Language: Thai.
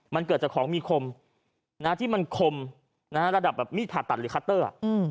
มันเกิดจากของมีคมที่มันคมระดับแบบมีดผ่าตัดหรือคัตเตอร์